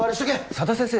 佐田先生